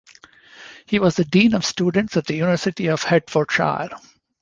He was the Dean Of Students at the University Of Hertfordshire.